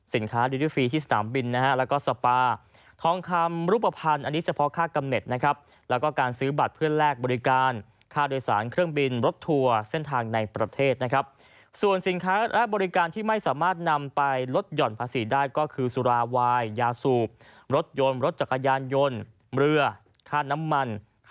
ดิริฟรีที่สนามบินนะฮะแล้วก็สปาทองคำรูปภัณฑ์อันนี้เฉพาะค่ากำเน็ตนะครับแล้วก็การซื้อบัตรเพื่อแลกบริการค่าโดยสารเครื่องบินรถทัวร์เส้นทางในประเทศนะครับส่วนสินค้าและบริการที่ไม่สามารถนำไปลดหย่อนภาษีได้ก็คือสุราวายยาสูบรถยนต์รถจักรยานยนต์เรือค่าน้ำมัน